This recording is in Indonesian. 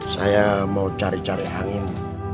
saya mau cari cari angin